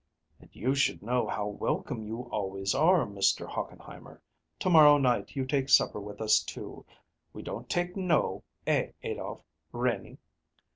"And you should know how welcome you always are, Mr. Hochenheimer. To morrow night you take supper with us too. We don't take 'no' eh, Adolph? Renie?"